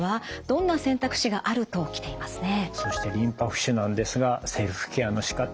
「どんな選択肢がある？」と来ていますね。